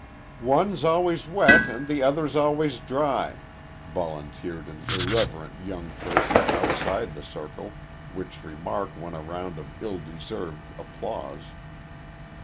"One's always wet, and the other's always dry," volunteered an irreverent young person outside the circle, which remark won a round of ill deserved applause.